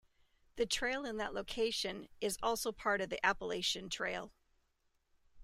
The trail in that location is also part of the Appalachian Trail.